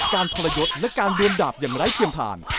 ทรยศและการเดินดาบอย่างไร้เทียมทาน